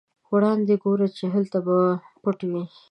وړاندې ګوره چې هلته به پټ وي.